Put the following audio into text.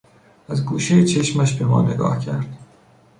از گوشهی چشمش به ما نگاه کرد.